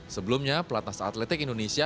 sebelumnya pelatnas atletik indonesia